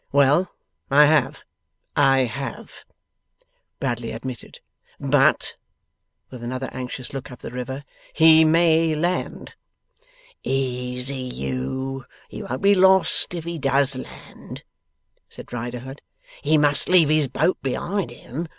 'Well! I have, I have,' Bradley admitted. 'But,' with another anxious look up the river, 'he may land.' 'Easy you! He won't be lost if he does land,' said Riderhood. 'He must leave his boat behind him.